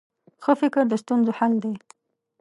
ښه فکر د ستونزو حل دی.